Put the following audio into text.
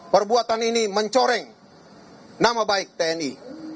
perbuatan ini mencoreng nama baik tni